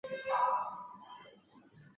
提督旗移于靖远。